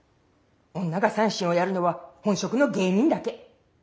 女が三線をやるのは本職の芸人だけ。